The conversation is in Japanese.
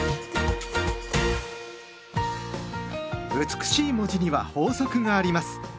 美しい文字には法則があります。